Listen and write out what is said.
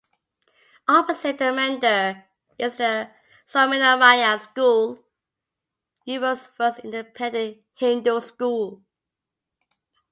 Opposite the Mandir is The Swaminarayan School, Europe's first independent Hindu school.